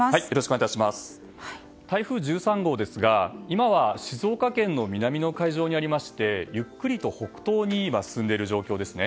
台風１３号ですが今は静岡県の南の海上にありゆっくりと北東に進んでいる状況です。